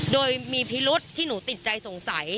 โดยมีพิรุษที่หนูติดใจสงสัย